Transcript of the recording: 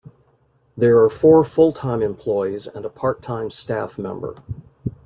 There are four full-time employees and a part-time staff member.